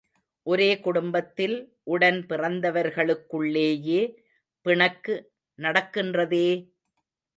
ஒரே குடும்பத்தில் உடன் பிறந்தவர்களுக்குள்ளேயே பிணக்கு நடக்கின்றதே!